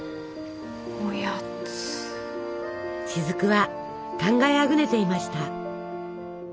雫は考えあぐねていました。